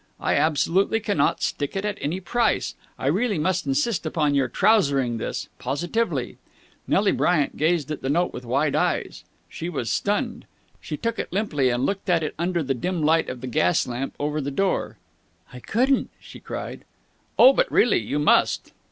I absolutely cannot stick it at any price! I really must insist on your trousering this. Positively!" Nelly Bryant gazed at the note with wide eyes. She was stunned. She took it limply, and looked at it under the dim light of the gas lamp over the door. "I couldn't!" she cried. "Oh, but really! You must!"